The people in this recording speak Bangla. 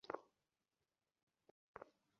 তিনি উচ্চ চাপে পদার্থের ধর্ম বিষয়ে গবেষণা শুরু করেন।